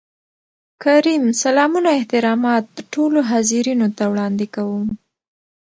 کريم : سلامونه احترامات ټولو حاضرينو ته وړاندې کوم.